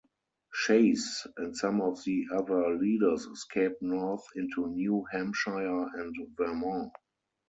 Shays and some of the other leaders escaped north into New Hampshire and Vermont.